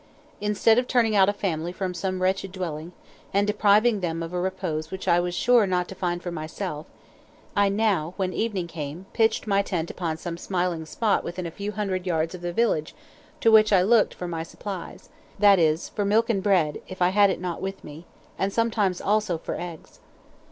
Instead of turning out a family from some wretched dwelling, and depriving them of a repose which I was sure not to find for myself, I now, when evening came, pitched my tent upon some smiling spot within a few hundred yards of the village to which I looked for my supplies, that is, for milk and bread if I had it not with me, and sometimes also for eggs.